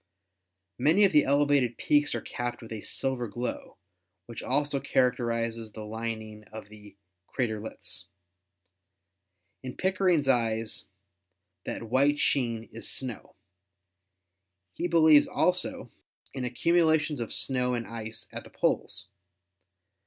Many of the elevated peaks are capped with a silver glow, which also characterizes the lining of the "craterlets." In Pickering's eyes that white sheen is snow. He believes also in ac cumulations of snow and ice at the poles.